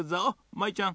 舞ちゃん